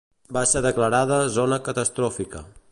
Va ser declarada zona catastròfica.